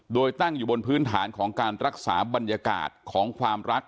โดยตั้งอยู่บนพื้นฐานของการรักษาบรรยากาศของความรัก